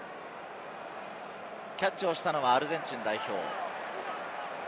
キャッチをしたのはアルゼンチン代表。